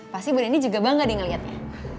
pasti bu reni juga bangga nih ngeliatnya